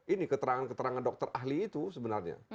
ini keterangan keterangan dokter ahli itu sebenarnya